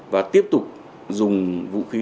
và tiếp tục dùng vũ khí